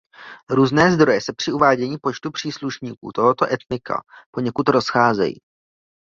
Různé zdroje se při uvádění počtu příslušníků tohoto etnika poněkud rozcházejí.